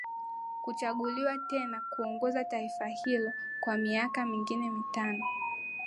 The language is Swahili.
kuchaguliwa tena kuongoza taifa hilo kwa miaka mingine mitano